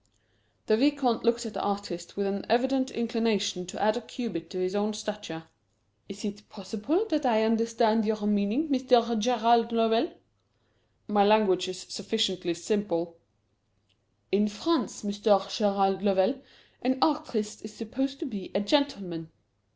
The Vicomte looked at the artist with an evident inclination to add a cubit to his own stature. "Is it possible that I understand your meaning, Mr. Gerald Lovell?" "My language is sufficiently simple." "In France, Mr. Gerald Lovell, an artist is supposed to be a gentleman."